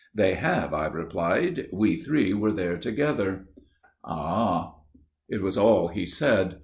"They have," I replied: "we three were there together." "Ah!" It was all he said.